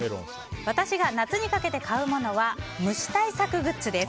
私が夏にかけて買うものは虫対策グッズです。